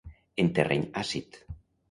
En terreny àcid.